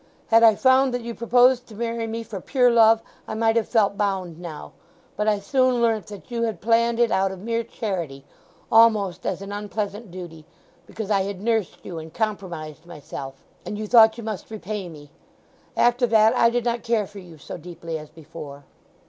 Had I found that you proposed to marry me for pure love I might have felt bound now. But I soon learnt that you had planned it out of mere charity—almost as an unpleasant duty—because I had nursed you, and compromised myself, and you thought you must repay me. After that I did not care for you so deeply as before."